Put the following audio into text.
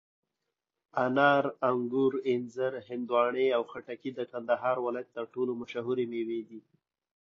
انار، انګور، انځر، هندواڼې او خټکي د کندهار ولایت تر ټولو مشهوري مېوې دي.